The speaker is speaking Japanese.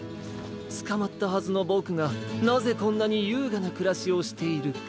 つかまったはずのボクがなぜこんなにゆうがなくらしをしているか。